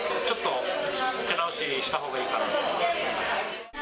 ちょっと手直ししたほうがいいかな。